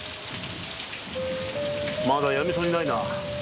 まだ止みそうにないな。